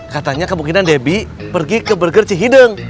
katanya kemungkinan debbie pergi ke burger cihideng